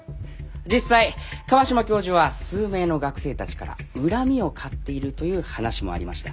実際川島教授は数名の学生たちから恨みを買っているという話もありました。